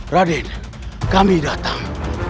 radin kami datang